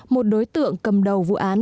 một đối tượng cầm đầu vụ án